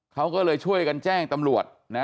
เขาก็เลยช่วยกันแจ้งตำรวจนะ